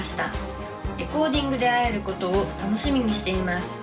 レコーディングで会えることを楽しみにしています」。